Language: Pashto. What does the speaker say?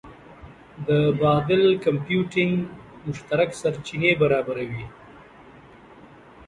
د بادل کمپیوټینګ مشترک سرچینې برابروي.